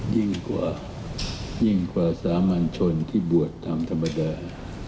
ยิ่งกว่ายิ่งกว่าสามัญชนที่บวชทำธรรมดา